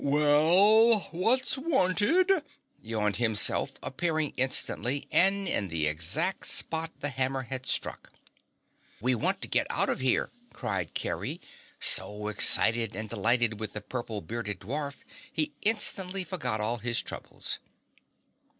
"Well, what's wanted?" yawned Himself, appearing instantly and in the exact spot the hammer had struck. "We want to get out of here!" cried Kerry, so excited and delighted with the purple bearded dwarf, he instantly forgot all his troubles.